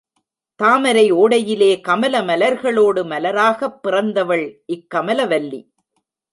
தாமரை ஓடையிலே கமல மலர்களோடு மலராகப் பிறந்தவள் இக்கமலவல்லி.